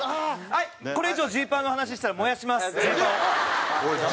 はいこれ以上ジーパンの話したら燃やしますジーパンを。